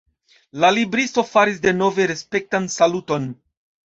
La libristo faris denove respektan saluton.